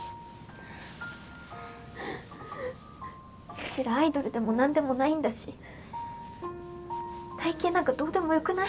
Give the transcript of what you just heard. うちらアイドルでもなんでもないんだし体形なんかどうでもよくない？